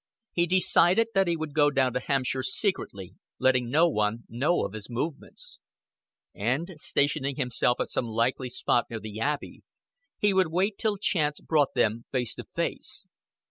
He decided that he would go down to Hampshire secretly, letting no one know of his movements; and, stationing himself at some likely spot near the Abbey, he would wait till chance brought them face to face.